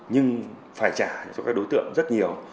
nhưng phải trả cho các đối tượng rất nhiều